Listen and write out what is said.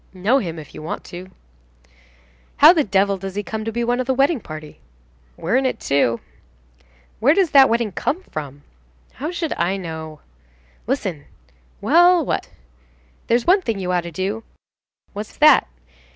"Know him, if you want to." "How the devil does he come to be one of the wedding party?" "We are in it, too." "Where does that wedding come from?" "How should I know?" "Listen." "Well, what?" "There's one thing you ought to do." "What's that?"